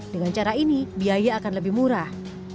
dengan cara ini biaya akan lebih murah